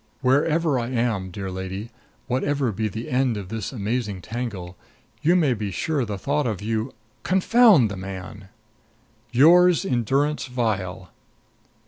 Wherever I am, dear lady, whatever be the end of this amazing tangle, you may be sure the thought of you Confound the man! YOURS, IN DURANCE VILE.